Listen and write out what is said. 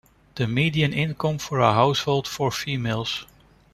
The median income for a household for females.